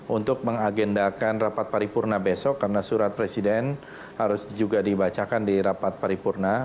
untuk mengagendakan rapat paripurna besok karena surat presiden harus juga dibacakan di rapat paripurna